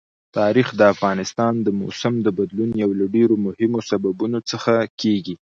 تاریخ د افغانستان د موسم د بدلون یو له ډېرو مهمو سببونو څخه کېږي.